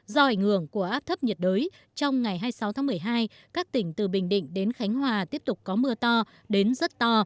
do ảnh hưởng của áp thấp nhiệt đới trong ngày hai mươi sáu tháng một mươi hai các tỉnh từ bình định đến khánh hòa tiếp tục có mưa to đến rất to